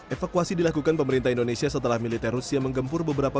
evakuasi dilakukan pemerintah indonesia setelah militer rusia menggempur beberapa